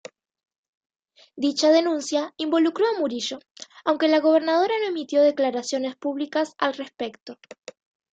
Dicha denuncia involucró a Murillo aunque la gobernadora no emitió declaraciones públicas al respecto.